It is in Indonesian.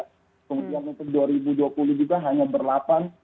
kemudian untuk dua ribu dua puluh juga hanya berlapan